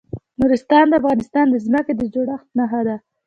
نورستان د افغانستان د ځمکې د جوړښت نښه ده.